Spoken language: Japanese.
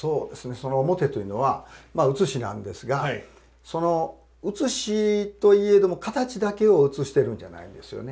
その面というのは写しなんですがその写しといえども形だけを写してるんじゃないんですよね。